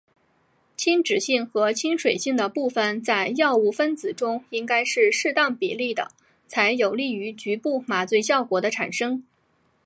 亲脂性和亲水性的部分在药物分子中应该是适当比例的才有利于局部麻醉效果的产生。